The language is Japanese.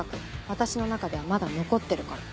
私の中ではまだ残ってるから。